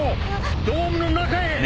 ドームの中へ！